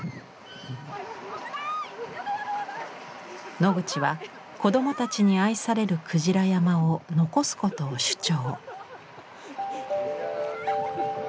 ノグチは子どもたちに愛されるクジラ山を残すことを主張。